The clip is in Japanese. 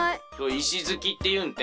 いしづきっていうんて。